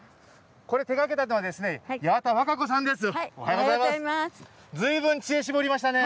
これ手がけたのは、矢幡和香子さんです。